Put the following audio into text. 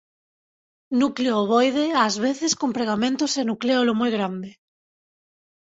Núcleo ovoide ás veces con pregamentos e nucléolo moi grande.